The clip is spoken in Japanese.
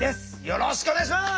よろしくお願いします。